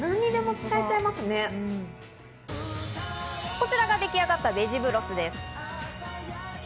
こちらが出来上がったベジブロスです。